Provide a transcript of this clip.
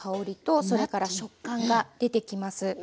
それから食感が出てきます。